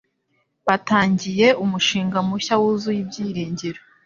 Batangiye umushinga mushya wuzuye ibyiringiro.